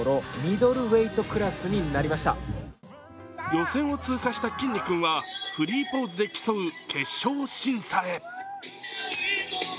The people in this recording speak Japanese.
予選を通過したきんに君はフリーポーズで競う決勝審査へ。